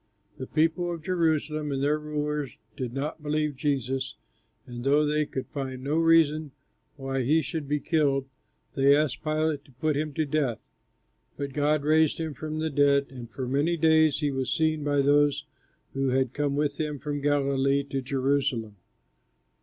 The people of Jerusalem and their rulers did not believe Jesus, and though they could find no reason why he should be killed, they asked Pilate to put him to death. But God raised him from the dead, and for many days he was seen by those who had come with him from Galilee to Jerusalem.